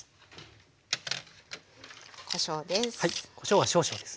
こしょうです。